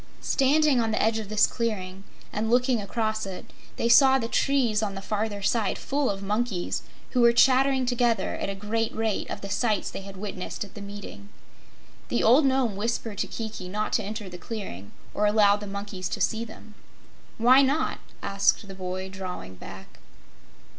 Standing on the edge of this clearing and looking across it, they saw the trees on the farther side full of monkeys, who were chattering together at a great rate of the sights they had witnessed at the meeting. The old Nome whispered to Kiki not to enter the clearing or allow the monkeys to see them. "Why not?" asked the boy, drawing back.